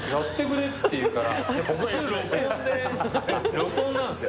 録音なんですよ。